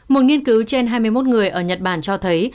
một nghiên cứu trên hai mươi một người ở nhật bản cho thấy